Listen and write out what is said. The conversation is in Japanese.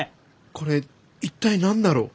これ一体何だろう？